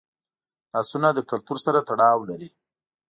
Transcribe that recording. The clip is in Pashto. لاسونه له کلتور سره تړاو لري